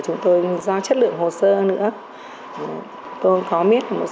chúng tôi do chất lượng hồ sơ nữa tôi có biết là một số doanh nghiệp cũng có thể tạo ra một bộ phần